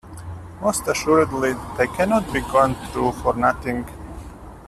Most assuredly they cannot be gone through for nothing.